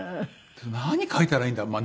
何描いたらいいんだろう？